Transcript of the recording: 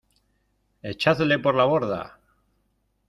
¡ Echadle por la borda!